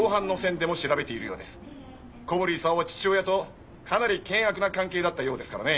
小堀功は父親とかなり険悪な関係だったようですからね。